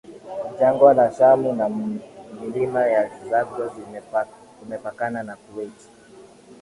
jangwa la Shamu na ya milima ya Zagros Imepakana na Kuwait